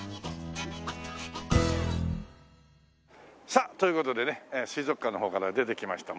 さあという事でね水族館の方から出てきました。